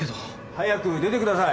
早く出てください。